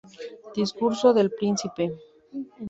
Discurso del Príncipe